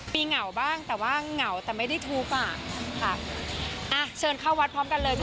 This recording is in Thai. มีเหงาบ้างแต่ว่าเหงาแต่ไม่ได้ทูปค่ะ